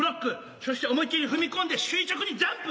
しょして思いっ切り踏み込んで垂直にジャンプ。